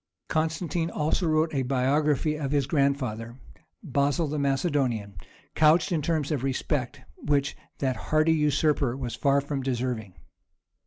Constantine also wrote a biography of his grandfather, Basil the Macedonian, couched in terms of respect which that hardy usurper was far from deserving.